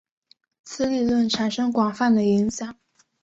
此理论产生广泛的影响。